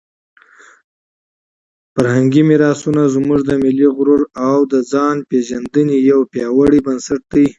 فرهنګي میراثونه زموږ د ملي غرور او د ځانپېژندنې یو پیاوړی بنسټ دی.